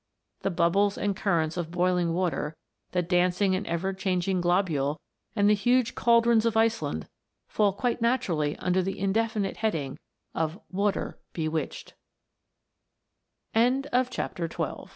The bubbles and currents of boiling water, the dancing and ever changing globule, and the huge cauldrons of Iceland, fall quite naturally under the indefinite heading of " Wa